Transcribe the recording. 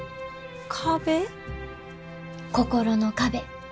心の壁。